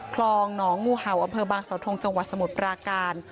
คลองหนองงูเห่าอำเภอบางสาวทงจังหวัดสมุทรปราการ